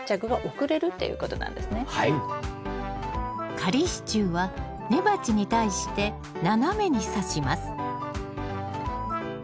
仮支柱は根鉢に対して斜めにさします